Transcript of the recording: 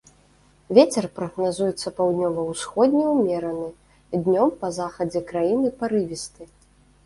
Вецер прагназуецца паўднёва-ўсходні ўмераны, днём па захадзе краіны парывісты.